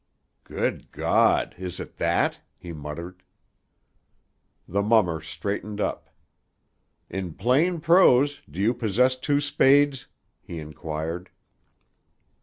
"Good God! Is it that?" he muttered. The mummer straightened up. "In plain prose, do you possess two spades?" he inquired.